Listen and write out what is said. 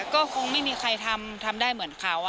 ก็คงไม่มีใครทำทำได้เหมือนเขา